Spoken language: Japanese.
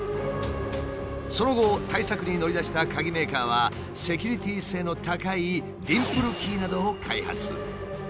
その後対策に乗り出した鍵メーカーはセキュリティー性の高いディンプルキーなどを開発。